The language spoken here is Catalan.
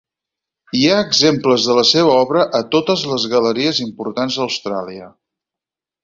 Hi ha exemples de la seva obra a totes les galeries importants d'Austràlia